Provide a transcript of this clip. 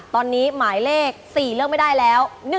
ตอนนี้หมายเลข๔เลือกไม่ได้แล้ว